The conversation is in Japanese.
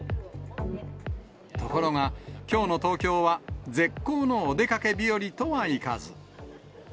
ところが、きょうの東京は絶好のお出かけ日和とはいかず。